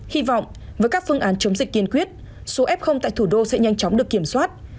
hy vọng với các phương án chống dịch kiên quyết số f tại thủ đô sẽ nhanh chóng được kiểm soát